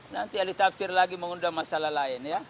nanti ali tafsir lagi mengundang masalah lain ya